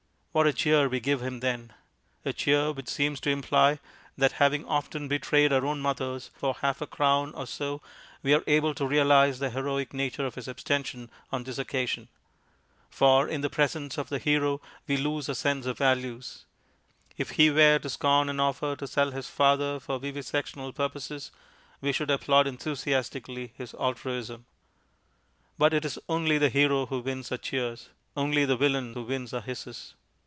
What a cheer we give him then; a cheer which seems to imply that, having often betrayed our own mothers for half a crown or so, we are able to realize the heroic nature of his abstention on this occasion. For in the presence of the Hero we lose our sense of values. If he were to scorn an offer to sell his father for vivisectional purposes, we should applaud enthusiastically his altruism. But it is only the Hero who wins our cheers, only the Villain who wins our hisses.